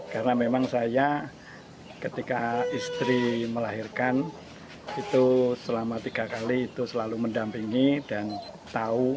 karena memang saya ketika istri melahirkan itu selama tiga kali itu selalu mendampingi dan tahu